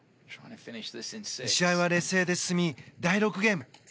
試合は劣勢で進み第６ゲーム。